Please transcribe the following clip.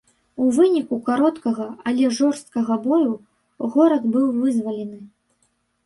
У выніку кароткага, але жорсткага бою, горад быў вызвалены.